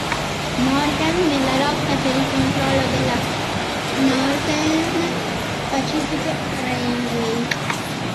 Morgan, nella lotta per il controllo della "Northern Pacific Railway".